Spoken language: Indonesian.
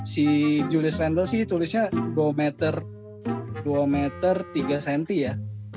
si julius rendel sih tulisnya dua meter tiga cm ya